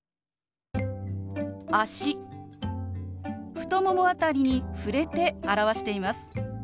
太もも辺りに触れて表しています。